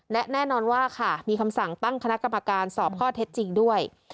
และแน่นอนว่าค่ะมีคำสั่งตั้งคณะกรรมการสอบข้อเท็จจริงด้วย